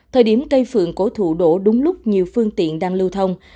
thời điểm cây phượng cố thủ đổ đúng lúc nhiều phương tiện đang lưu thông